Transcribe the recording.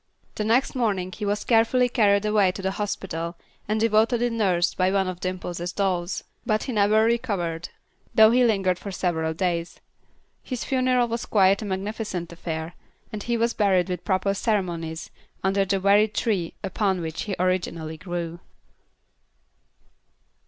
The next morning he was carefully carried away to a hospital and devotedly nursed by one of Dimple's dolls; but he never recovered, though he lingered for several days. His funeral was quite a magnificent affair, and he was buried with proper ceremonies under the very tree upon which he originally grew.